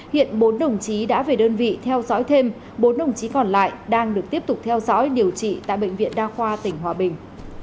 hiện bốn đồng chí đã về đơn vị theo dõi thêm bốn đồng chí còn lại đang được tiếp tục theo dõi điều trị tại bệnh viện đa khoa tỉnh hòa bình